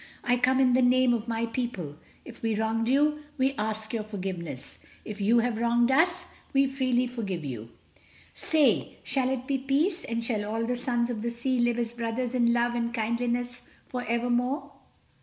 I come in the name of my people. If we have wronged you, we ask your forgiveness. If you have wronged us, we freely forgive you. Say: Shall it be peace, and shall all the sons of the sea live as brothers in love and kindliness for evermore?